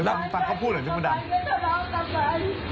แล้วฟังเขาพูดเหมือนจะกำลัง